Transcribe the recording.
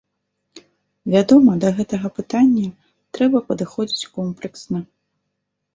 Вядома, да гэтага пытання трэба падыходзіць комплексна.